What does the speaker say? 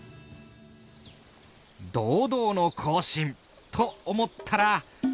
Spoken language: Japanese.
堂々の行進！と思ったら。